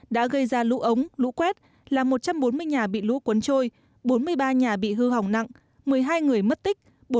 đã gây ra lũ ống lũ quét làm một trăm bốn mươi nhà bị lũ cuốn trôi bốn mươi ba nhà bị hư hỏng nặng một mươi hai người mất tích